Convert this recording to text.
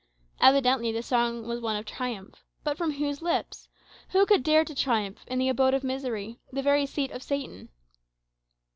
Evidently the song was one of triumph. But from whose lips? Who could dare to triumph in the abode of misery, the very seat of Satan?